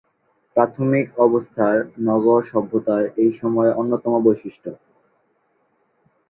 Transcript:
প্রাথমিক অবস্থার নগর সভ্যতা এই সময়ের অন্যতম বৈশিষ্ট্য।